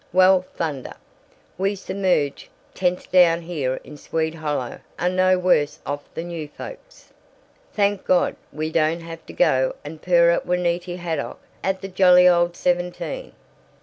Well, thunder, we submerged tenth down here in Swede Hollow are no worse off than you folks. Thank God, we don't have to go and purr at Juanity Haydock at the Jolly Old Seventeen."